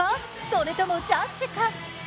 それともジャッジか？